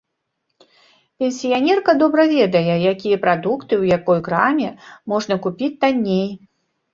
Пенсіянерка добра ведае, якія прадукты і ў якой краме можна купіць танней.